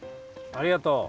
ありがとう！